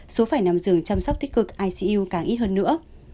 số phải nằm giường chăm sóc tích cực icu càng ít hơn nữa